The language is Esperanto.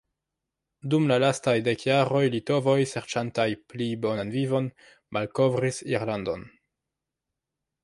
Dum la lastaj dek jaroj litovoj serĉantaj pli bonan vivon malkovris Irlandon.